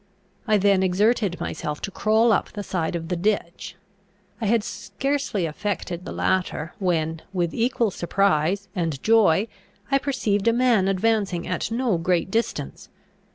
I then exerted myself to crawl up the side of the ditch. I had scarcely effected the latter, when, with equal surprise and joy, I perceived a man advancing at no great distance.